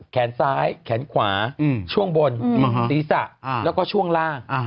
แขนซ้ายแขนขวาช่วงบนศีรษะแล้วก็ช่วงล่าง